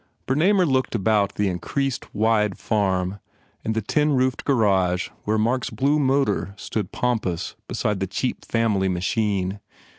Bernamer looked about the increased, wide farm and the tin roofed garage where Mark s blue motor stood pompous beside the cheap family machine.